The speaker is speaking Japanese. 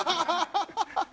ハハハハ！